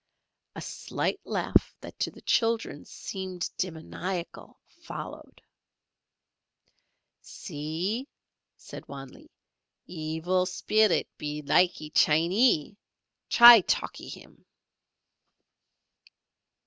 A slight laugh that to the children seemed demoniacal, followed. "See," said Wan Lee, "Evil Spillet be likee Chinee, try talkee him."